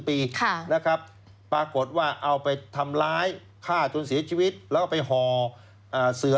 ปีนะครับปรากฏว่าเอาไปทำร้ายฆ่าจนเสียชีวิตแล้วก็ไปห่อเสือ